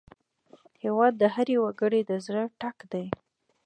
هېواد د هر وګړي د زړه ټک دی.